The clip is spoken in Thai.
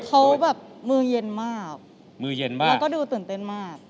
อ๋อเขาไม่ตื่นเต้นด้วย